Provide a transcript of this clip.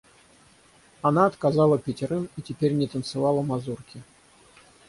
Она отказала пятерым и теперь не танцовала мазурки.